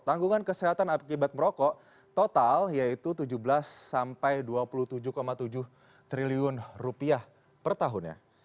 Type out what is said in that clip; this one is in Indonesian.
tanggungan kesehatan akibat merokok total yaitu tujuh belas sampai dua puluh tujuh tujuh triliun rupiah per tahunnya